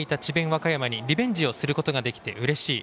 和歌山にリベンジをすることができてうれしい。